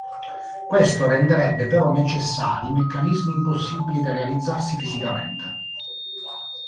Questo renderebbe però necessari meccanismi impossibili da realizzarsi fisicamente.